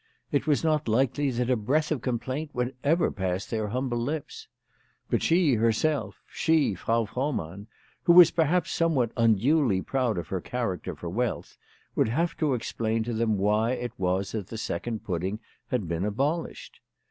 It was not likely that a breath of complaint would ever pass their humble lips ; but she herself, she, Frau Frohmann, who was perhaps somewhat unduly proud of her character for wealth, would have to explain to them why it was that that second pudding had been abolished.